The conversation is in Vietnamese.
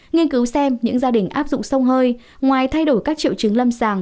nghiên cứu xem những gia đình áp dụng sông hơi ngoài thay đổi các triệu chứng lâm sàng